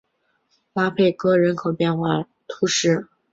拉佩格人口变化图示